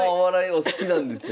お好きなんですよね。